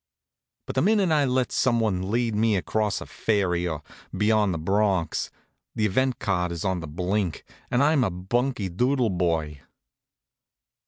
But the minute I lets some one lead me across a ferry, or beyond the Bronx, the event card is on the blink, and I'm a bunky doodle boy.